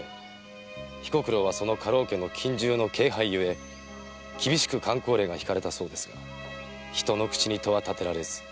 彦九郎は家老家の近習の軽輩ゆえ厳しく箝口令が敷かれたそうですが人の口に戸は立てられず。